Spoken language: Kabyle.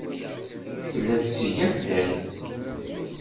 Tella tetteg addal.